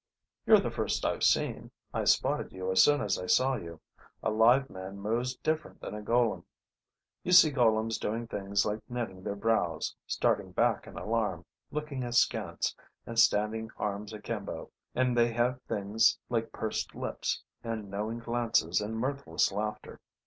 "You're the first I've seen. I spotted you as soon as I saw you. A live man moves different than a golem. You see golems doing things like knitting their brows, starting back in alarm, looking askance, and standing arms akimbo. And they have things like pursed lips and knowing glances and mirthless laughter.